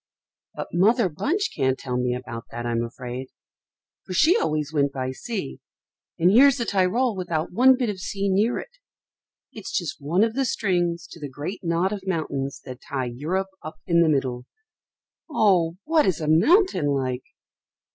But Mother Bunch can't tell me about that I'm afraid, for she always went by sea, and here's the Tyrol without one bit of sea near it. It's just one of the strings to the great knot of mountains that tie Europe up in the middle. Oh! what is a mountain like?"